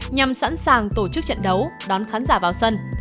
nhằm sẵn sàng tổ chức trận đấu đón khán giả vào sân